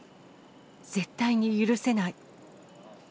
絶対に許せない。